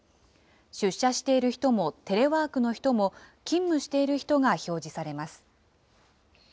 出社している人も、テレワークの人も、勤務している人が表示されます。